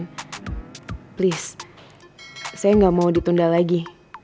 tolong saya gak mau ditunda lagi